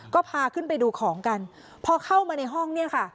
ก็พาขึ้นไปดูของกันพอเข้ามาในห้องเนี่ยค่ะ